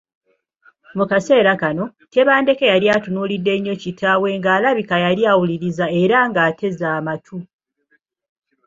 Mu kaseera kano, Tebandeke yali atunuulidde nnyo kitaawe nga alabika yali awuliriza era ng’ateze amatu.